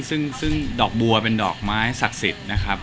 ซึ่งดอกบัวเป็นดอกไม้ศักดิ์สิทธิ์นะครับ